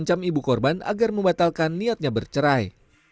mengancam ibu korban agar membatalkan niatnya bercerai